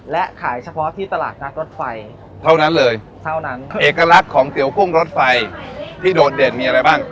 เท่านั้นเลยเท่านั้นเอกลักษณ์ของเตี๋ยวกุ้งรสไฟที่โดดเด่นมีอะไรบ้าง